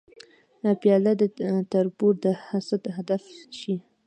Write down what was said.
پیاله د تربور د حسد هدف شي.